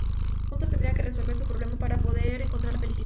Juntos tendrán que resolver su problema para poder encontrar la felicidad.